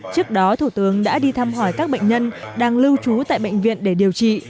trước đó thủ tướng đã đi thăm hỏi các bệnh nhân đang lưu trú tại bệnh viện để điều trị